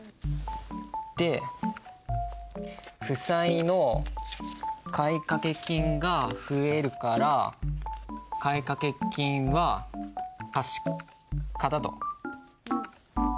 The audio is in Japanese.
で負債の買掛金が増えるから買掛金は貸方と。